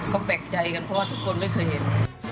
ก็แปลกใจกันเพราะว่าทุกคนไม่เคยเห็น